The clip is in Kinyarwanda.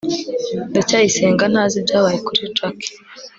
ndacyayisenga ntazi ibyabaye kuri jaki